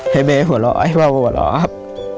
ให้เบย์หัวเราะให้พ่อหัวเราะครับ